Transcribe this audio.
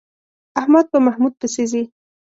احمد په محمود پسې ځي.